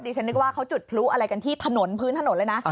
ฉันนึกว่าเขาจุดพลุอะไรกันที่ถนนพื้นถนนเลยนะ